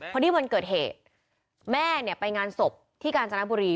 พอที่วันเกิดเหตุแม่ไปงานศพที่กาญจนบุรี